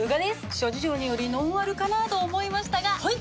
諸事情によりノンアルかなと思いましたがはい！